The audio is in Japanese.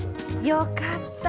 よかった。